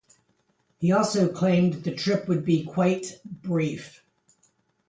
He also claimed the trip would be quite "brief".